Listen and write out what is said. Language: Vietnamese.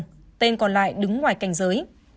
các đối tượng còn lại đứng ngoài cành giới